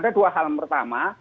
ada dua hal pertama